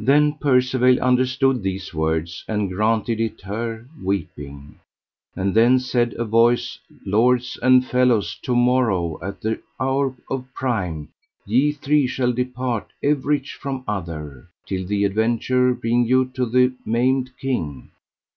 Then Percivale understood these words, and granted it her, weeping. And then said a voice: Lords and fellows, to morrow at the hour of prime ye three shall depart everych from other, till the adventure bring you to the Maimed King.